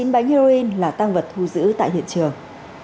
tám mươi chín bánh heroin là tăng vật thu giữ tại hiện trường